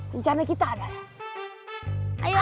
rencana kita adalah